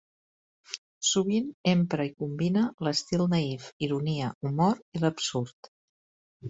Sovint empra i combina l'estil naïf, ironia, humor i l'absurd.